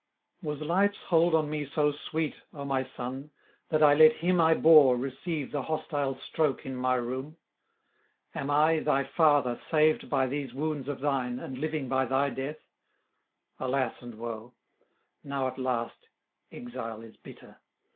'Was life's hold on me so sweet, O my son, that I let him I bore receive the hostile stroke in my room? Am I, thy father, saved by these wounds of thine, and living by thy death? Alas and woe! [850 885]now at last exile is bitter!